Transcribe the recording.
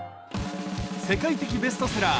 世界的ベストセラー